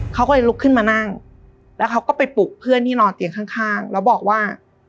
เขาก็เลยลุกขึ้นมานั่งแล้วเขาก็ไปปลุกเพื่อนที่นอนเตียงข้างแล้วบอกว่า